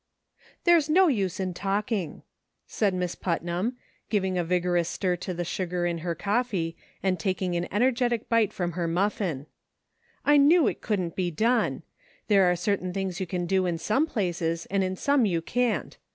THERE'S no use in talking," said Miss Put nam, giving a vigorous stir to the sugar in her coffee, and taking an energetic bite from her muffin ;" I knew it couldn't be done. There are certain things you can do in some places, and in some you can't.